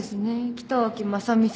北脇雅美さん。